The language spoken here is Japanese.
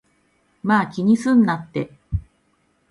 まぁ、気にすんなって